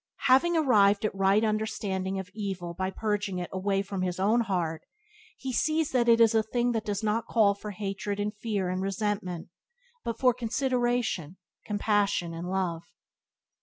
Having arrived at right understanding of evil by purging it away from his own heart he sees that it is a thing that does not call for hatred and fear and resentment but for consideration, compassion, and love.